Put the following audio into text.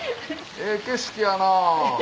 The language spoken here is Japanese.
ええ景色やなぁ。